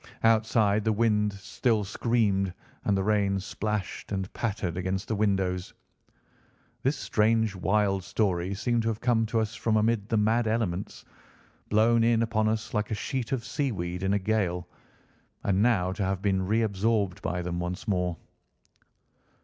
Outside the wind still screamed and the rain splashed and pattered against the windows. This strange, wild story seemed to have come to us from amid the mad elements—blown in upon us like a sheet of sea weed in a gale—and now to have been reabsorbed by them once more.